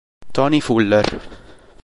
Tony Fuller